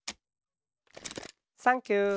サンキュー。